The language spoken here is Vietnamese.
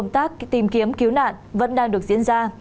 công tác tìm kiếm cứu nạn vẫn đang được diễn ra